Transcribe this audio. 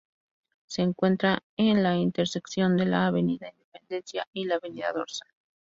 Se encuentra en la intersección de la Avenida Independencia y la Avenida Dorsal.